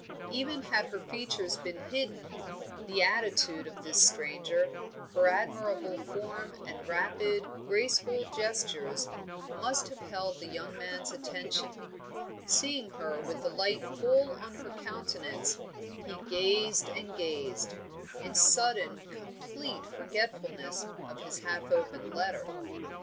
Even had her features been hidden, the attitude of this stranger, her admirable form and rapid, graceful gestures, must have held the young man's attention; seeing her with the light full on her countenance, he gazed and gazed, in sudden complete forgetfulness of his half opened letter.